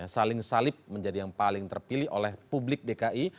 saling salib menjadi yang paling terpilih oleh publik dki